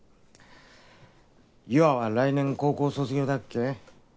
優愛は来年高校卒業だっけ？